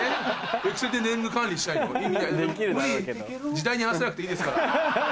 時代に合わせなくていいですから。